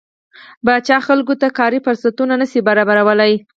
پاچا خلکو ته کاري فرصتونه نشي برابرولى.